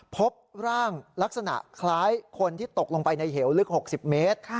พบร่างลักษณะคล้ายคนที่ตกลงไปในเหวลึก๖๐เมตร